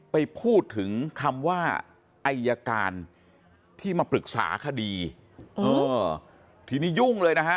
ไปพูดถึงคำว่าอายการที่มาปรึกษาคดีเออทีนี้ยุ่งเลยนะฮะ